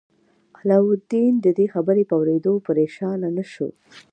علاوالدین د دې خبر په اوریدو پریشان نه شو.